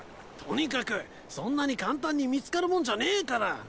とにかくそんなに簡単に見つかるもんじゃねえから。